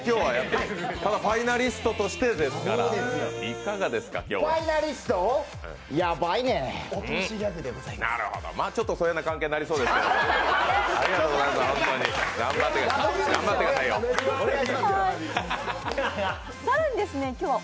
ただファイナリストとしてですから、いかがですか、今日は。